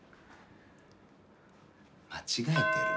間違えてる。